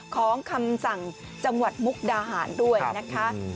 ของคำสั่งจังหวัดมุกดาหารด้วยนะคะ